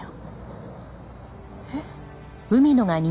えっ？